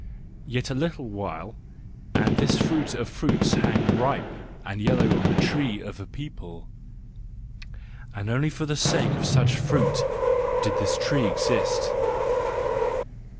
Yet a little while, and this fruit of fruits hangs ripe and yellow on the tree of THE JOYFUL WISDOM, I 65 a people,—and only for the sake of such fruit did this tree exist!